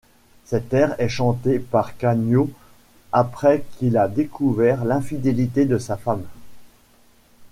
Cet air est chanté par Canio après qu'il a découvert l'infidélité de sa femme.